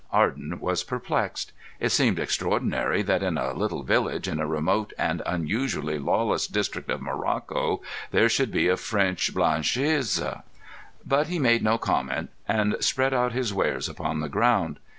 Arden was perplexed. It seemed extraordinary that in a little village in a remote and unusually lawless district of Morocco there should be a French blanchisseuse. But he made no comment, and spread out his wares upon the ground.